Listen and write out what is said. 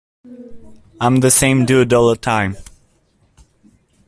I'm the same dude all the time.